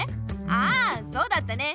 ああそうだったね